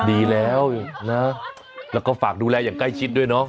ดีแล้วนะแล้วก็ฝากดูแลอย่างใกล้ชิดด้วยเนาะ